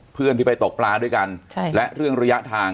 เพื่อนที่ไปตกปลาด้วยกันและเรื่องระยะทาง